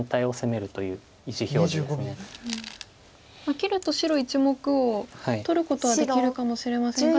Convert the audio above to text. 切ると白１目を取ることはできるかもしれませんが。